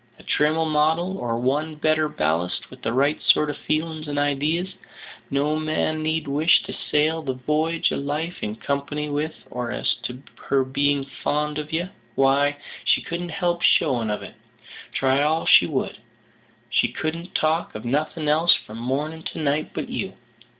A trimmer model, or one better ballasted with the right sort of feelin's and idees, no man need wish to sail the v'y'ge of life in company with, and as to her being fond of ye, why, she couldn't help showing of it, try all she would. She couldn't talk of nothing else from morning to night but you.